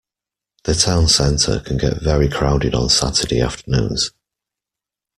The town centre can get very crowded on Saturday afternoons